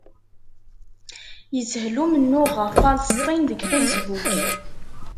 Yeshel umennuɣ ɣef Falesṭin deg Facebook.